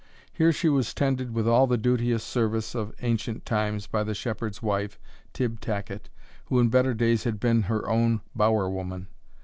Here she was tended with all the duteous service of ancient times by the shepherd's wife, Tibb Tacket, who in better days had been her own bowerwoman.